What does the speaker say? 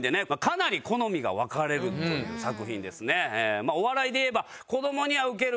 かなり好みが分かれるという作品ですね。